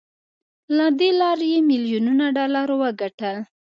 له دې لارې يې ميليونونه ډالر وګټل.